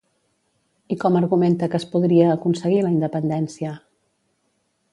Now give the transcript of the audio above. I com argumenta que es podria aconseguir la independència?